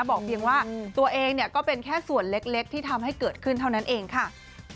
บอกเพียงว่าตัวเองเนี่ยก็เป็นแค่ส่วนเล็กที่ทำให้เกิดขึ้นเท่านั้นเองค่ะ